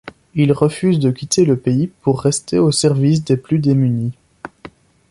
Il refuse de quitter le pays pour rester au service des plus démunis.